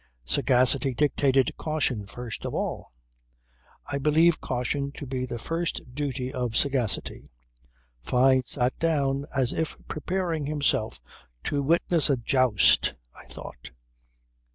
Sagacity dictated caution first of all. I believe caution to be the first duty of sagacity. Fyne sat down as if preparing himself to witness a joust, I thought.